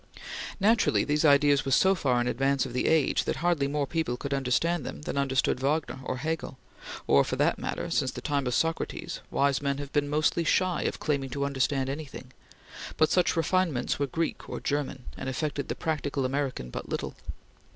Naturally these ideas were so far in advance of the age that hardly more people could understand them than understood Wagner or Hegel; for that matter, since the time of Socrates, wise men have been mostly shy of claiming to understand anything; but such refinements were Greek or German, and affected the practical American but little.